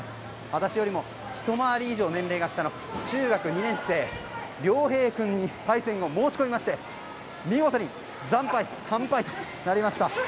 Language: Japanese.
私よりもひと回り以上年齢が下の中学２年生、リョウヘイ君に対戦を申し込みまして見事に惨敗、完敗となりました。